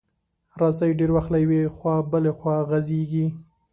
رسۍ ډېر وخت له یوې خوا بله خوا غځېږي.